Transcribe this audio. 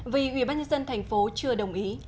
vì ủy ban nhân dân thành phố chưa đồng ý